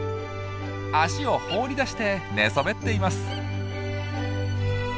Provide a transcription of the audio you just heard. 足を放り出して寝そべっています。